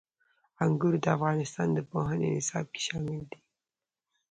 انګور د افغانستان د پوهنې نصاب کې شامل دي.